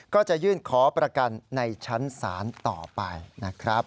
ก็จะยื่นขอประกันในชั้นศาลต่อไปนะครับ